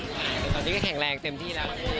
แต่ตอนนี้ก็แข็งแรงเต็มที่แล้ว